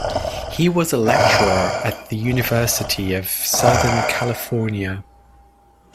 He was a lecturer at the University of Southern California.